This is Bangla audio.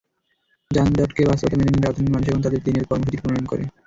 যানজটকে বাস্তবতা মেনে নিয়ে রাজধানীর মানুষ এখন তাদের দিনের কর্মসূচি প্রণয়ন করে।